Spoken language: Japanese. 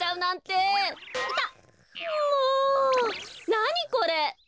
なにこれ！？